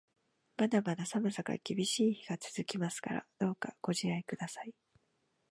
まだまだ寒さが厳しい日が続きますから、どうかご自愛ください。